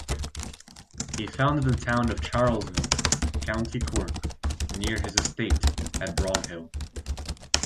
He founded the town of Charleville, County Cork, near his estate at Broghill.